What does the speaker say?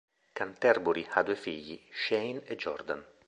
Canterbury ha due figli, Shane e Jordan.